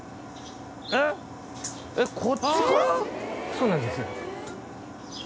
そうなんですよ。